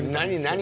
何？